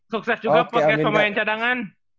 sukses juga pakai pemain cadangan